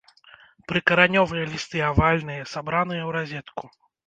Прыкаранёвыя лісты авальныя, сабраныя ў разетку.